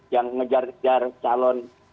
yang ngejar kejar calon